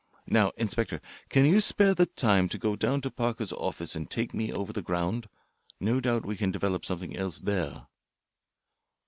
Now, Inspector, can you spare the time to go down to Parker's office and take me over the ground? No doubt we can develop something else there."